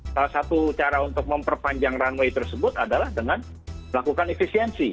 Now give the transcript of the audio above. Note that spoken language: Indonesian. salah satu cara untuk memperpanjang runway tersebut adalah dengan melakukan efisiensi